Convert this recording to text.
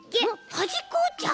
はじっこおっちゃう？